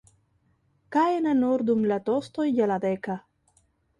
Kaj ne nur dum la tostoj je la deka.